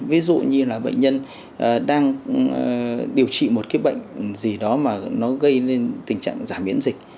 ví dụ như là bệnh nhân đang điều trị một cái bệnh gì đó mà nó gây nên tình trạng giảm biễn dịch